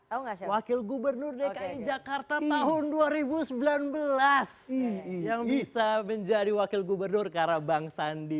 ah ah wakil gubernur dki jakarta tahun dua ribu sembilan belas yang bisa menjadi wakil gubernur karabang sandi